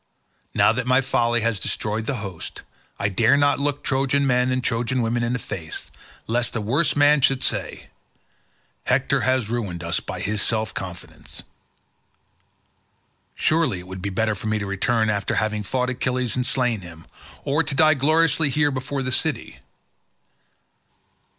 Now that my folly has destroyed the host, I dare not look Trojan men and Trojan women in the face, lest a worse man should say, 'Hector has ruined us by his self confidence.' Surely it would be better for me to return after having fought Achilles and slain him, or to die gloriously here before the city.